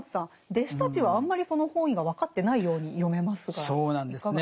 弟子たちはあんまりその本意が分かってないように読めますがいかがですか？